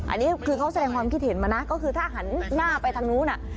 อันนี้คือเขาแสดงความคิดเห็นมานะก็คือถ้าหันหน้าไปทางนู้น